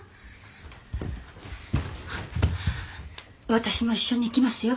私も一緒に行きますよ。